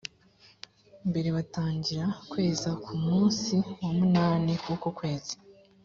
mbere batangira kweza ku munsi wa munani w uko kwezi